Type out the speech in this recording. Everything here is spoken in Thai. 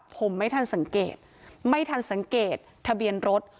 ผมไม่ทันสังเกตไม่ทันสังเกตทะเบียนรถ